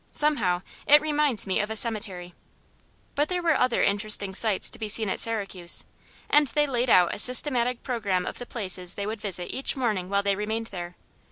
Somehow, it reminds me of a cemetery." But there were other interesting sights to be seen at Syracuse, and they laid out a systematic programme of the places they would visit each morning while they remained there.